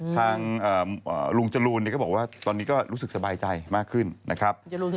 ทางลุงจรูนก็บอกว่าตอนนี้ก็รู้สึกสบายใจมากขึ้นนะครับ